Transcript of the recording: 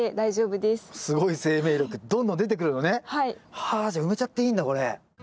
はあじゃあ埋めちゃっていいんだこれ。